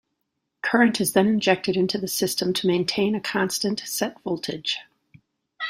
Current is then injected into the system to maintain a constant, set voltage.